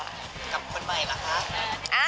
กับคนใหม่ล่ะคะ